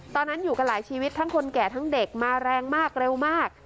ตอนนั้นอยู่กันหลายชีวิตทั้งคนแก่ทั้งเด็กมาแรงมากเร็วมาก